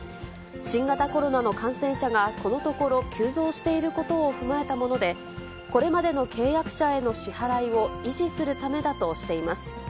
新型コロナの感染者がこのところ急増していることを踏まえたもので、これまでの契約者への支払いを維持するためだとしています。